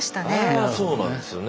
あれはそうなんですよね。